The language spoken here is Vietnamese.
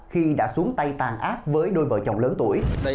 khi đã xuống tay tàn ác với đôi vợ chồng lớn tuổi